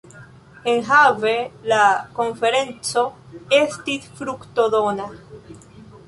Enhave la konferenco estis fruktodona.